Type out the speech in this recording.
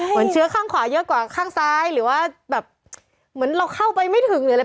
เหมือนเชื้อข้างขวาเยอะกว่าข้างซ้ายหรือว่าแบบเหมือนเราเข้าไปไม่ถึงหรืออะไร